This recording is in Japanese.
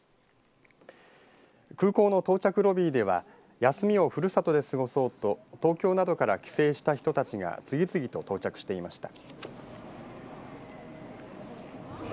空港の到着ロビーでは休みをふるさとで過ごそうと東京などから帰省した人たちが次々と到着していました。